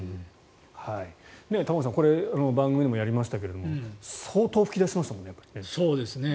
玉川さん番組でもやりましたが相当噴き出しましたもんね。